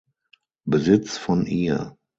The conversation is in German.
Besitz von ihr.